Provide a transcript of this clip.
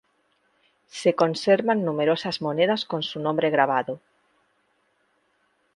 Se conservan numerosas monedas con su nombre grabado.